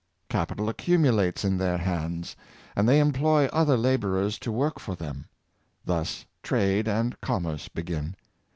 Capital accumulates in their hands, and they employ other laborers to work for them. Thus trade and commerce begin.